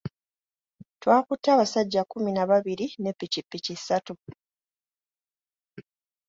Twakutte abasajja kkumi na babiri ne ppikipiki ssatu.